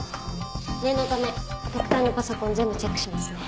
念のため特対のパソコン全部チェックしますね。